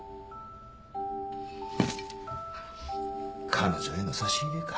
彼女への差し入れか。